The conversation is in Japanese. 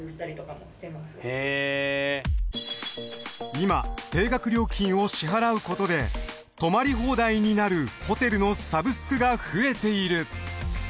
今定額料金を支払うことで泊まり放題になるホテルのサブスクが増えている。